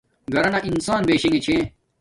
گھرانا انسان بیشنگے چھے